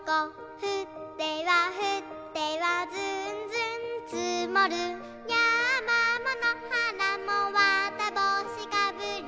「ふってはふってはずんずんつもる」「やまものはらもわたぼうしかぶり」